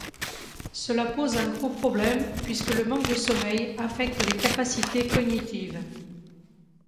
Cela pose un gros problème puisque le manque de sommeil affecte les capacités cognitives.